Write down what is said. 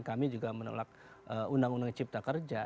kami juga menolak undang undang cipta kerja